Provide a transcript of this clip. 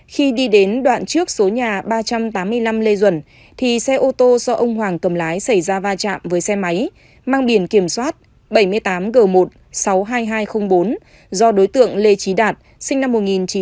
khi đi đến đoạn trước số nhà ba trăm tám mươi năm lê duẩn thì xe ô tô do ông hoàng cầm lái xảy ra va chạm với xe máy mang biển kiểm soát bảy mươi tám g một sáu mươi hai nghìn hai trăm linh bốn do đối tượng lê trí đạt sinh năm một nghìn chín trăm tám mươi